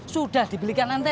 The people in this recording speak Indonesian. sudah dibelikan antena tapi